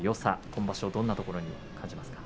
今場所はどんなところに感じますか。